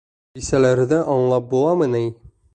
Бисәләрҙе аңлап буламы ни?